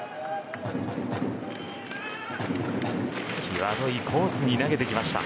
際どいコースに投げてきました。